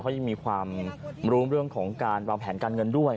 พยายามรู้เรื่องของการแผนการเงินด้วย